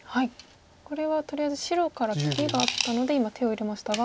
これはとりあえず白から切りがあったので今手を入れましたが。